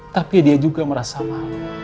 tapi dia juga merasa mahal